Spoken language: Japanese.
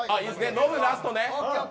ノブ、ラストね。